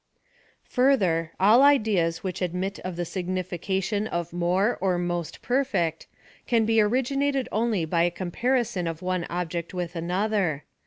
Further, all ideas which admit of the significa tion of more or most perfect, can be originated only by a comparison of one object with another.